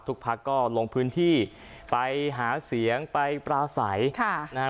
พักก็ลงพื้นที่ไปหาเสียงไปปราศัยค่ะนะฮะ